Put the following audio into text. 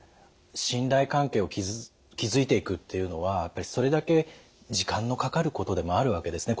信頼関係を築いていくっていうのはやっぱりそれだけ時間のかかることでもあるわけですね。